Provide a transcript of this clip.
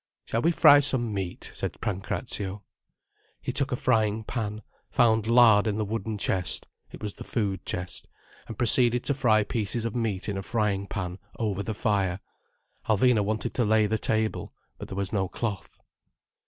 "Shall we fry some meat?" said Pancrazio. He took a frying pan, found lard in the wooden chest—it was the food chest—and proceeded to fry pieces of meat in a frying pan over the fire. Alvina wanted to lay the table. But there was no cloth.